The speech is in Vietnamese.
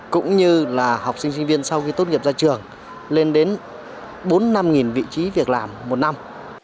cũng như là học sinh sinh viên sau khi tốt nghiệp ra trường lên đến bốn năm nghìn vị trí việc làm một năm